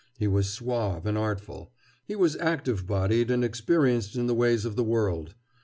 He was suave and artful; he was active bodied and experienced in the ways of the world.